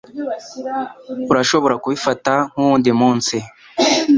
Urashobora kubifata nkuwundi munsi